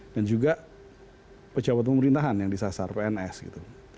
dan juga pejabat pemerintahan yang disasar pns gitu